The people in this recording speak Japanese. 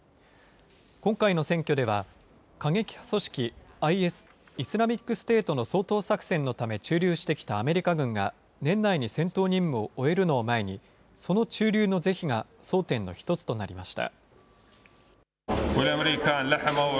今回の選挙では、過激派組織ＩＳ・イスラミックステートの掃討作戦のため駐留してきたアメリカ軍が、年内に戦闘任務を終えるのを前に、その駐留の是非が争点の一つとなりました。